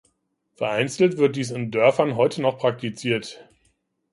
Vereinzelt wird dies in Dörfern heute noch praktiziert.